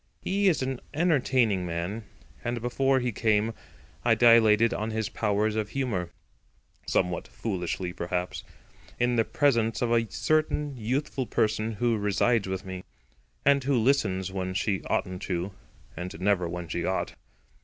He is an entertaining man, and before he came I dilated on his powers of humour—somewhat foolishly perhaps—in the presence of a certain youthful person who resides with me, and who listens when she oughtn't to, and never when she ought.